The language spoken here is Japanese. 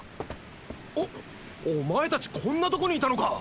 おっお前たちこんなとこにいたのか！